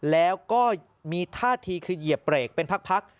แล้วก็มีท่าทีคือเหยียบเบรกเป็นพัก